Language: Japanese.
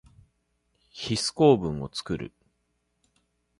ヒス構文をつくる。